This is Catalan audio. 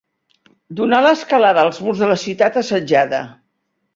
Donar l'escalada als murs de la ciutat assetjada.